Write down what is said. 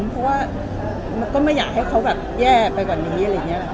เพราะว่าก็ไม่อยากให้เขาแย่ไปกว่านี้